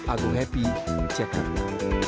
agung happy jakarta